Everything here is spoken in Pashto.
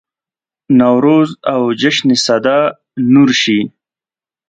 نوروز او جشن سده نور شي.